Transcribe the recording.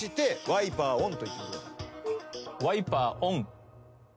ワイパーオン。